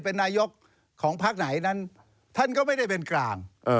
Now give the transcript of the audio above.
เป็นนายกของพักไหนนั้นท่านก็ไม่ได้เป็นกลาง